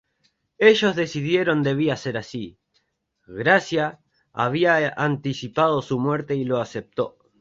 Ellos decidieron debía ser así, Gracia había anticipado su muerte y lo aceptó.